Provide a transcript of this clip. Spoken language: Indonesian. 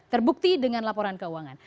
terbukti dengan laporan keuangan